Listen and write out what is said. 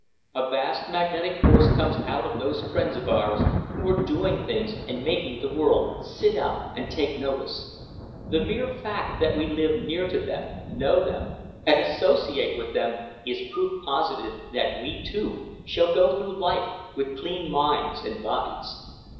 A vast magnetic force comes out of those friends of ours who are doing things and making the world sit up and take notice. The mere fact that we live near to them, know them and associate with them is proof positive that we, too, shall go through life with clean minds and bodies.